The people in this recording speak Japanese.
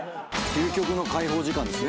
究極の解放時間ですね。